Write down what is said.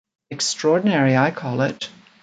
Extraordinary, I call it.